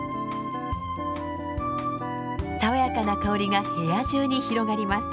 爽やかな香りが部屋中に広がります。